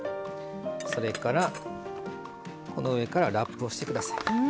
それからこの上からラップをして下さい。